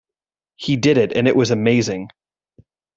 He did and it was amazing!